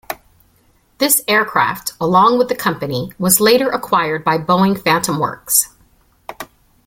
This aircraft, along with the company, was later acquired by Boeing Phantom Works.